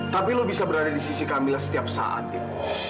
tapi lo bisa berada di sisi kamilah setiap saat tim